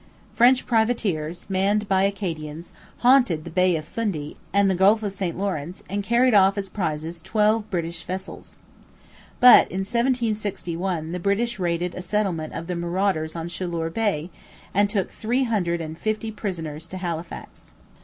French privateers, manned by Acadians, haunted the Bay of Fundy and the Gulf of St Lawrence and carried off as prizes twelve British vessels. But in 1761 the British raided a settlement of the marauders on Chaleur Bay, and took three hundred and fifty prisoners to Halifax.